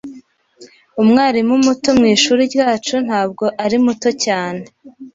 Umwarimu muto mwishuri ryacu ntabwo ari muto cyane.